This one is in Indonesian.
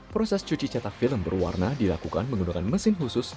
proses cuci cetak film berwarna dilakukan menggunakan mesin khusus